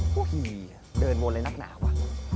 พวกหี่เดินวนอะไรนักหนาวะ